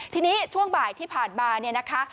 ทีนี้ช่วงบ่ายที่ผ่านมาเนี่ยนะคะ